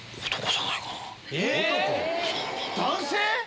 男性⁉